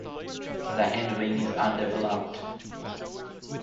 The hindwing is undeveloped.